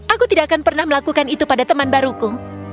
aku tidak akan pernah melakukan itu pada teman baruku